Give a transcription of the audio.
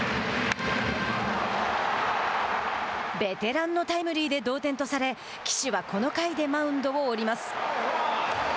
ベテランのタイムリーで同点とされ岸はこの回でマウンドを降ります。